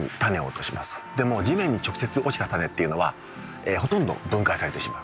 でも地面に直接落ちた種っていうのはほとんど分解されてしまう。